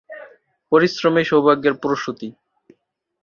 পরিশ্রমই সৌভাগ্যের প্রসূতি।